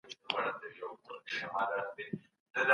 ايا د پخوانيو پلرونو فکر اوسنيو پوښتنو ته ځواب ويلی سي؟